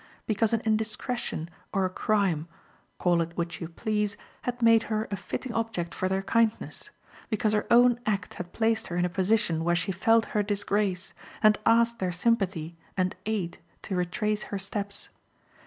Because an indiscretion or a crime call it which you please had made her a fitting object for their kindness; because her own act had placed her in a position where she felt her disgrace, and asked their sympathy and aid to retrace her steps.